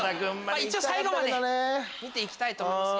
一応最後まで見て行きたいと思います。